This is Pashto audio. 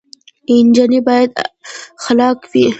انجنیر باید خلاق وي